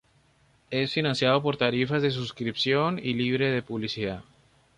Es financiado por tarifas de suscripción y libre de publicidad.